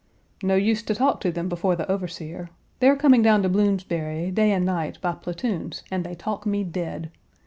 "No use to talk to them before the overseer. They are coming down to Bloomsbury, day and night, by platoons and they talk me dead.